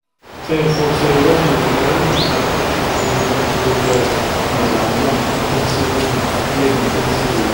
Firefox iOS ur yizmir ara ad yesεu taččart tawurmant i ugar n rbeɛ miyya n tansiwin deg ufeggag n tansiwin